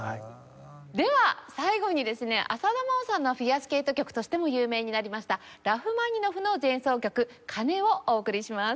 では最後にですね浅田真央さんのフィギュアスケート曲としても有名になりましたラフマニノフの前奏曲『鐘』をお送りします。